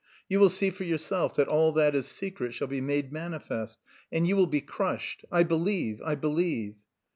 You will see for yourself that all that is secret shall be made manifest! And you will be crushed.... I believe, I believe!"